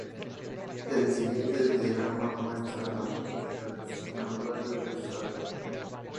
El siguiente diagrama muestra a las localidades en un radio de de Salem.